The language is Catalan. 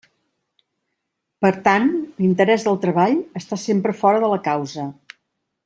Per tant, l'interès del treball està sempre fora de la causa.